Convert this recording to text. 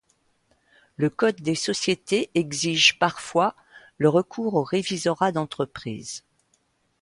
Le code des sociétés exige parfois le recours au révisorat d'entreprise.